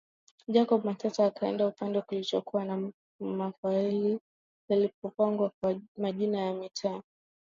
Jacob Matata akaenda upande kulipokuwa na mafaili yaliyopangwa kwa majina ya mitaa